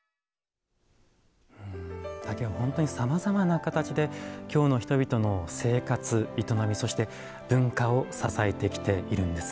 竹は本当にさまざまな形で京の人々の生活営みそして文化を支えてきているんですね。